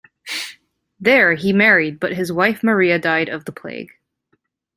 There, he married, but his wife Maria died of the plague.